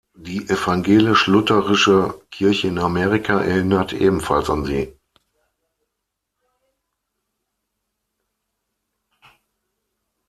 Die evangelisch-lutherische Kirche in Amerika erinnert ebenfalls an sie.